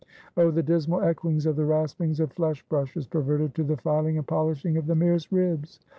Oh, the dismal echoings of the raspings of flesh brushes, perverted to the filing and polishing of the merest ribs!